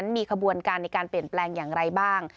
มีขบวนการในการเปลี่ยนแปลงอย่างไรบ้าง